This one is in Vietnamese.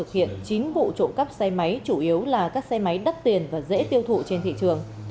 hiện chín vụ trộm cắp xe máy chủ yếu là các xe máy đắt tiền và dễ tiêu thụ trên thị trường